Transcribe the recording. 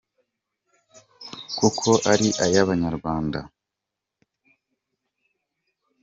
kuko ari ay’abanyarwanda.